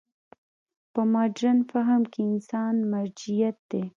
په مډرن فهم کې انسان مرجعیت دی.